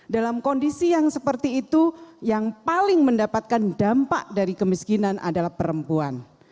dalam kondisi yang seperti itu yang paling mendapatkan dampak dari kemiskinan adalah perempuan